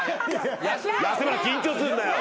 安村緊張すんなよ。